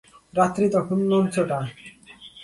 রাত্রি তখন নঞ্চটা।